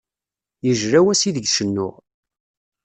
Yejla wass ideg cennuɣ.